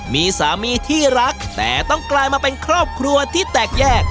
มีสามีที่รักแต่ต้องกลายมาเป็นครอบครัวที่แตกแยก